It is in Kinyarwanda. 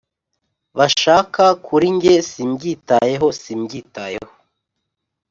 bashaka kuri njye simbyitayeho simbyitayeho